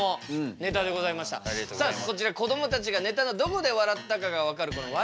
さあそちらこどもたちがネタのどこで笑ったかが分かるこの笑